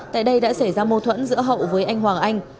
tại đây đã xảy ra mâu thuẫn giữa hậu với anh hoàng anh